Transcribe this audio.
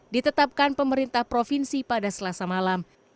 ditetapkan pemerintah provinsi pada selasa malam